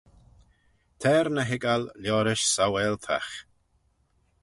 T'er ny hoiggal liorish saualtagh.